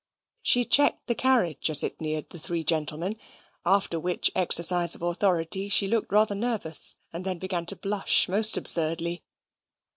She checked the carriage as it neared the three gentlemen, after which exercise of authority she looked rather nervous, and then began to blush most absurdly.